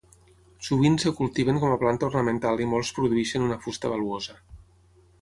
Sovint es cultiven com a planta ornamental i molts produeixen una fusta valuosa.